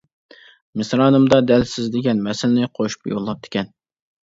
مىسرانىمدا دەل سىز دېگەن مەسىلىنى قوشۇپ يوللاپتىكەن.